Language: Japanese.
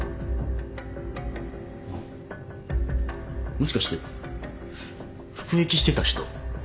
もしかして服役してた人？